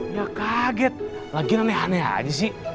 ya kaget lagi aneh aneh aja sih